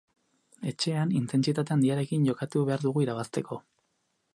Etxean intentsitate handiarekin jokatu behar dugu irabazteko.